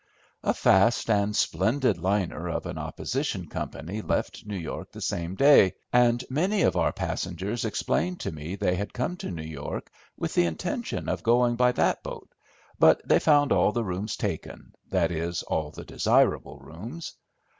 A fast and splendid liner of an opposition company left New York the next day, and many of our passengers explained to me they had come to New York with the intention of going by that boat, but they found all the rooms taken, that is, all the desirable rooms.